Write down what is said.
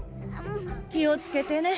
気をつけてね。